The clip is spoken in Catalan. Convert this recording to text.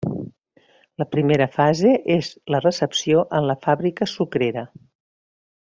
La primera fase és la recepció en la fàbrica sucrera.